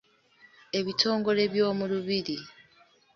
Ebitongole by’omu lubiri.